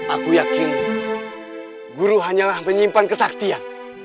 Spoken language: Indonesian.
aku yakin guru hanyalah penyimpan kesaktian